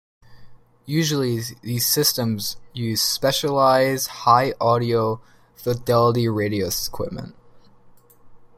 Usually these systems use specialized, high audio fidelity radio equipment.